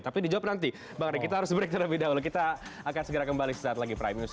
tapi dijawab nanti bang rey kita harus break terlebih dahulu kita akan segera kembali sesaat lagi prime news